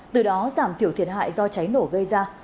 từ đó giảm thiểu thiệt hại do cháy nổ gây ra